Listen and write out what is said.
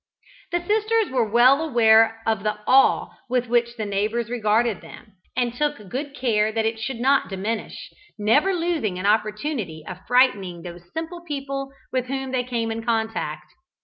The sisters were well aware of the awe with which the neighbours regarded them, and took good care that it should not diminish, never losing an opportunity of frightening those simple people with whom they came in contact.